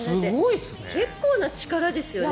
結構な力ですよね。